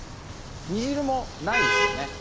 煮汁もないですよね